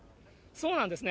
そうなんですね。